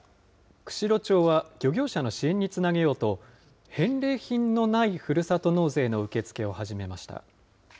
釧路町は、漁業者の支援につなげようと、返礼品のないふるさと納税の受け付けを始めました。